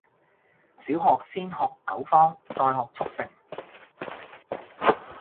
小學先學九方，再學速成